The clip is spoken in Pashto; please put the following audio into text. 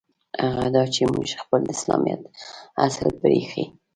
هغه دا چې موږ خپل د اسلامیت اصل پرېیښی.